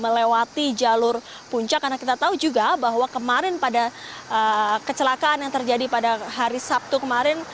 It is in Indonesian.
melewati jalur puncak karena kita tahu juga bahwa kemarin pada kecelakaan yang terjadi pada hari sabtu kemarin